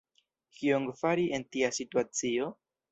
Kion fari en tia situacio?